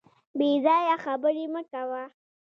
بې ځایه خبري مه کوه .